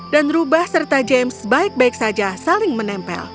dan rubah serta james baik baik saja saling menempel